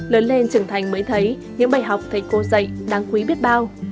lớn lên trưởng thành mới thấy những bài học thầy cô dạy đáng quý biết bao